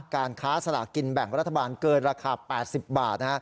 การค้าสลากินแบ่งรัฐบาลเกินราคา๘๐บาท